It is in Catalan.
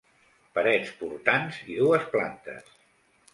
Parets portants i dues plantes.